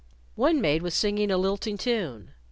One maid was singing a lilting tune.